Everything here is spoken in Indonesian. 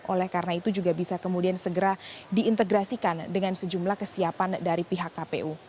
oleh karena itu juga bisa kemudian segera diintegrasikan dengan sejumlah kesiapan dari pihak kpu